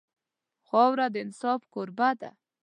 خاوره د انصاف کوربه ده.